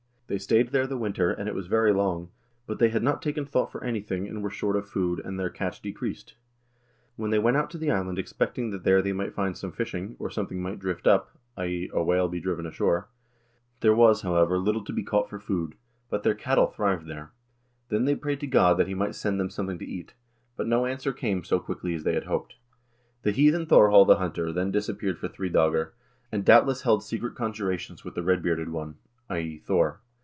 They stayed there the winter, and it was very long ; but they had not taken thought for anything, and were short of food, and their catch decreased. Then they went out to the island expecting that there they might find some fishing, or something might drift up (i.e. a whale be driven ashore?). There was, however, little to be caught for food, but their cattle thrived 1 Nansen, In Northern Mists, vol. I., p. 324. 212 HISTORY OF THE NORWEGIAN PEOPLE there. Then they prayed to God that he might send them something to eat; but no answer came so quickly as they had hoped." The heathen Thorhall the Hunter then disappeared for three dcegr, and doubtless held secret conjurations with the red bearded one (i.e. Thor)